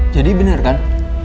jadi bener kan